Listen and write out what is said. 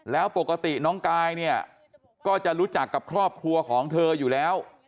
แล้วปกติน้องกายเนี่ยก็จะรู้จักกับครอบครัวของเธออยู่แล้ว